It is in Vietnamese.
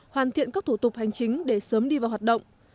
hoàn thiện các thủ tục hành chính để sớm đi vào hoạt động